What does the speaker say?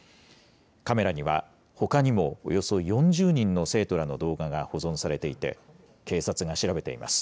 カメラには、ほかにもおよそ４０人の生徒らの動画が保存されていて、警察が調べています。